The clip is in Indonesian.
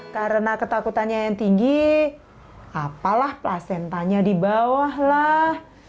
karena ketakutannya yang tinggi apalah placentanya di bawah lah